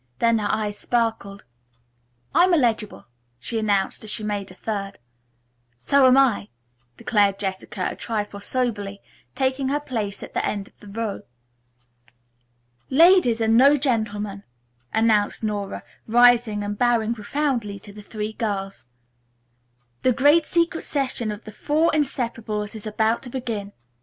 Then her eyes sparkled. "I'm eligible," she announced as she made a third. "So am I," declared Jessica a trifle soberly, taking her place at the other end of the row. "Ladies and no gentlemen," announced Nora, rising and bowing profoundly to the three girls, "the great secret session of the four inseparables is about to begin.